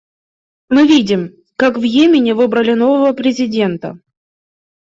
Мы видим, как в Йемене выбрали нового президента.